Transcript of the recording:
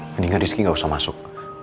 mendingan rizky gak usah masuk